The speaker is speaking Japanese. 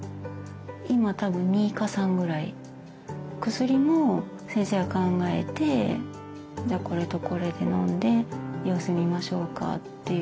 薬も先生が考えて「じゃあこれとこれでのんで様子見ましょうか」っていう。